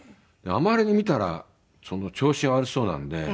あまりに見たら調子が悪そうなので。